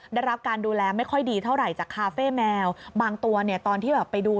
ได้รับการดูแลไม่ค่อยดีเท่าไหร่จากคาเฟ่แมวบางตัวเนี่ยตอนที่แบบไปดู